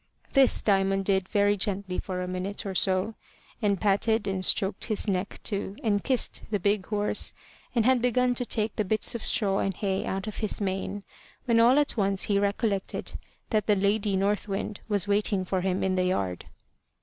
This Diamond did very gently for a minute or so, and patted and stroked his neck too, and kissed the big horse, and had begun to take the bits of straw and hay out of his mane, when all at once he recollected that the Lady North Wind was waiting for him in the yard.